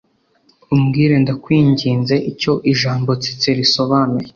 Umbwire Ndakwinginze icyo Ijambo "Tsetse" risobanuye